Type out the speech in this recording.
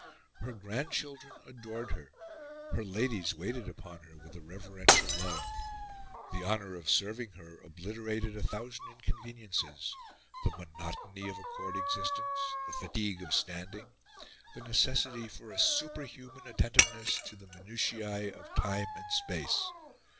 Her grandchildren adored her; her ladies waited upon her with a reverential love. The honour of serving her obliterated a thousand inconveniences the monotony of a court existence, the fatigue of standing, the necessity for a superhuman attentiveness to the minutia: of time and space.